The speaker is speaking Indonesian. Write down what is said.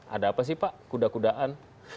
ada apa sih pak kuda kudaan